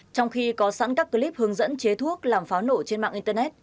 trong khi có sẵn các clip hướng dẫn chế thuốc làm pháo nổ trên mạng internet